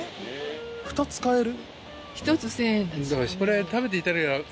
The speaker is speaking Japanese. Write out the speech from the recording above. ２つ買える？